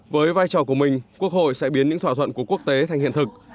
với vai trò của mình quốc hội sẽ biến những thỏa thuận của quốc tế thành hiện thực